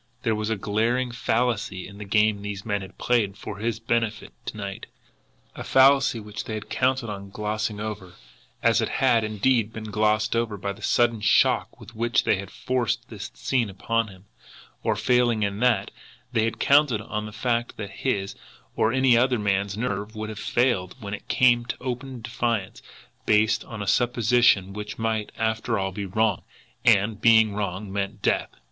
There was a glaring fallacy in the game these men had played for his benefit to night a fallacy which they had counted on glossing over, as it had, indeed, been glossed over, by the sudden shock with which they had forced that scene upon him; or, failing in that, they had counted on the fact that his, or any other man's nerve would have failed when it came to open defiance based on a supposition which might, after all, be wrong, and, being wrong, meant death.